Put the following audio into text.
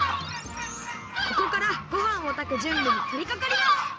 ここからごはんをたくじゅんびにとりかかります！